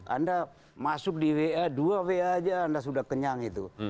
anda masuk di wa dua wa aja anda sudah kenyang itu